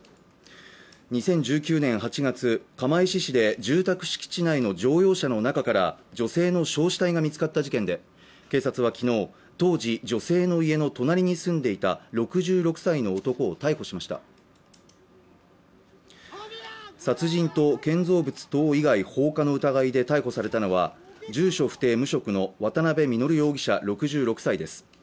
２０１９年８月釜石市で住宅敷地内の乗用車の中から女性の焼死体が見つかった事件で警察はきのう当時女性の家の隣に住んでいた６６歳の男を逮捕しました殺人と建造物等以外放火の疑いで逮捕されたのは住所不定無職の渡部稔容疑者６６歳です